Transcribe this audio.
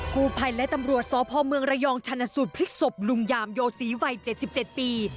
กู้ภัยและตำรวจสพเมืองระยองชันสูตรพลิกศพลุงยามโยศีวัย๗๗ปี